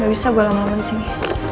gak bisa gue lama lama disini